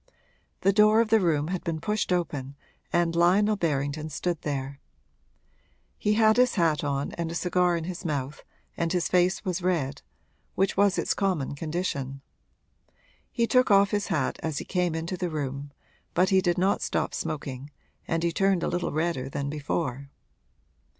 The door of the room had been pushed open and Lionel Berrington stood there. He had his hat on and a cigar in his mouth and his face was red, which was its common condition. He took off his hat as he came into the room, but he did not stop smoking and he turned a little redder than before.